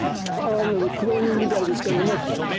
あーなんか苦労人みたいですからね。